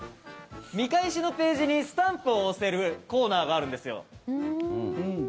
見返しのページにスタンプを押せるコーナーがあるんですよ。